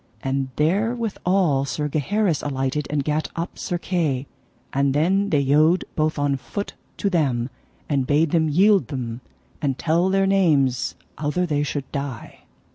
And therewithal Sir Gaheris alighted, and gat up Sir Kay. And then they yode both on foot to them, and bade them yield them, and tell their names outher they should die.